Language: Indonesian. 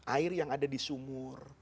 air yang ada di sumur